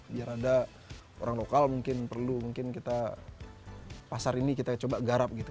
biar ada orang lokal mungkin perlu mungkin kita pasar ini kita coba garap gitu